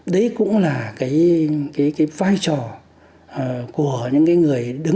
đấy cũng là cái vai trò của quân ta